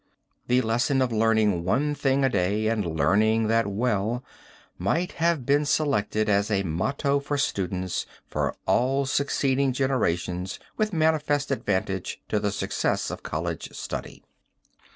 The lesson of learning one thing a day and learning that well, might have been selected as a motto for students for all succeeding generations with manifest advantage to the success of college study.